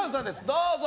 どうぞ。